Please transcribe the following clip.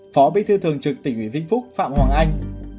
phó bí thư thường trực tỉnh uy vinh phúc phạm hoàng anh